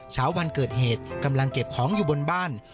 เช้าวันเกิดเหตุกำลังเก็บของอยู่บนบ้าน